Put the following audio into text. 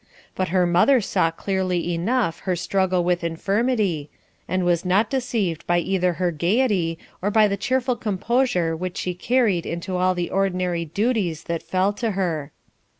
But her mother saw clearly enough her struggle with infirmity, and was not deceived by either her gaiety or by the cheerful composure which she carried into all the ordinary duties that fell to her.